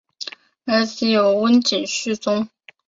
儿子有温井续宗。